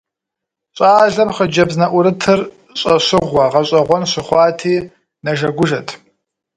Щӏалэм хъыджэбз нэӀурытыр щӀэщыгъуэ, гъэщӀэгъуэн щыхъуати, нэжэгужэт.